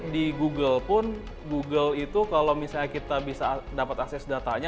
di google pun google itu kalau misalnya kita bisa dapat akses datanya